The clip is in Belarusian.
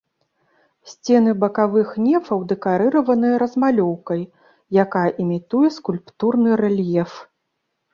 Сцены бакавых нефаў дэкарыраваныя размалёўкай, якая імітуе скульптурны рэльеф.